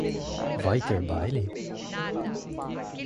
Vai ter baile?